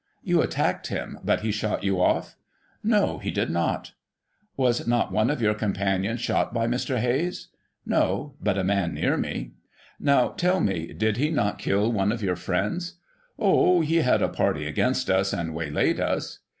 You attacked him, but he shot you off? — No, he did not. Was not one of your companions shot by Mr. Hayes ?— No, but a man ne^i me. Now, tell me, did he not kill one of your friends? — Oh, he had a party against us, and waylaid us.